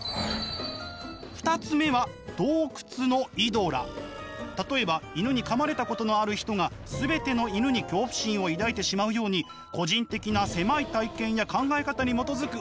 ２つ目は例えば犬にかまれたことのある人が全ての犬に恐怖心を抱いてしまうように個人的な狭い体験や考え方に基づく思い込みを指すんです。